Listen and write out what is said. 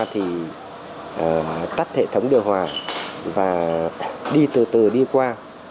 thì tắt hệ thống điều hòa và đi từ từ đi qua